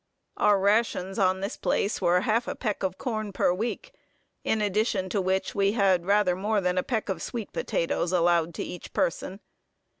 Our rations, on this place, were a half peck of corn per week; in addition to which, we had rather more than a peck of sweet potatoes allowed to each person.